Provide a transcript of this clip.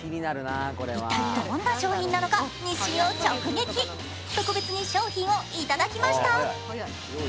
一体どんな商品なのか、日清を直撃、特別に商品をいただきました。